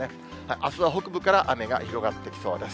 あすは北部から雨が広がってきそうです。